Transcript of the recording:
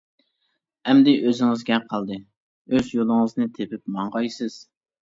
ئەمدى ئۆزىڭىزگە قالدى، ئۆز يولىڭىزنى تېپىپ ماڭغايسىز!